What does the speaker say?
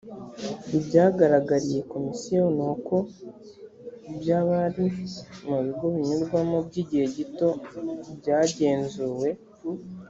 ibyagaragariye komisiyo ni uko by abari mu bigo binyurwamo by igihe gito byagenzuwe